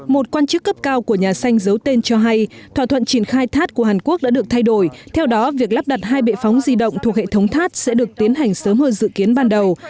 một quan chức cấp cao của nhà xanh giấu tên cho hay thỏa thuận triển khai tháp của hàn quốc đã được thay đổi theo đó việc lắp đặt hai bệ phóng di động thuộc hệ thống tháp sẽ được tiến hành sớm hơn dự kiến ban đầu